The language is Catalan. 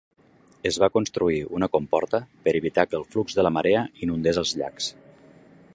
Es va construir una comporta per evitar que el flux de la marea inundés els llacs.